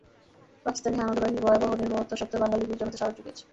পাকিস্তানি হানাদার বাহিনীর ভয়াবহ নির্মমতা সত্ত্বেও বাঙালি বীর জনতা সাহস জুগিয়েছে।